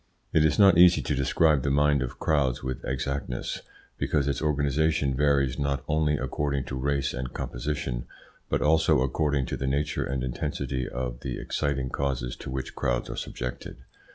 It is not easy to describe the mind of crowds with exactness, because its organisation varies not only according to race and composition, but also according to the nature and intensity of the exciting causes to which crowds are subjected.